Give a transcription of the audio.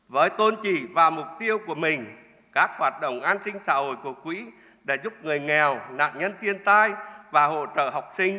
với tôn trị và mục tiêu của mình các hoạt động an sinh xã hội của quỹ đã giúp người nghèo nạn nhân tiên tai và hỗ trợ học sinh